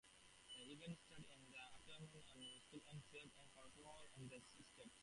The event starts in the afternoon when school choirs perform in the street.